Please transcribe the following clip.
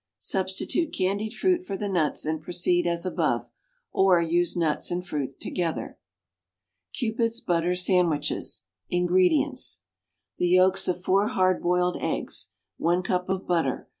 = Substitute candied fruit for the nuts and proceed as above, or use nuts and fruit together. =Cupid's Butter Sandwiches.= INGREDIENTS. The yolks of 4 hard boiled eggs. 1 cup of butter.